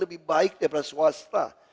lebih baik daripada swasta